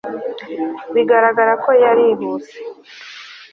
bigaragara ko yarihuse